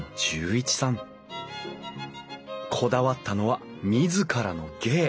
こだわったのは自らの芸。